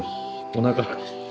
おなか？